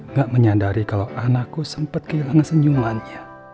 gak menyadari kalau anakku sempet kehilangan senyumannya